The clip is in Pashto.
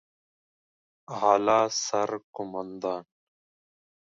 اعلى سرقومندان